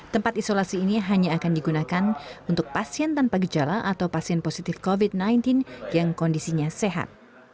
tempat isolasi ini hanya akan digunakan untuk pasien tanpa gejala atau pasien positif covid sembilan belas yang kondisinya sehat